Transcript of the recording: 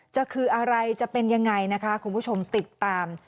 จะคืออะไรจะเป็นยังไงนะคะคุณผู้ชมติดตาม